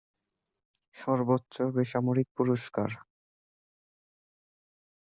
সর্বোচ্চ বেসামরিক পুরস্কার।